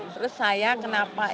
terus saya kenapa ingin